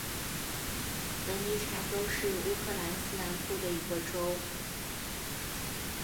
文尼察州是乌克兰西南部的一个州。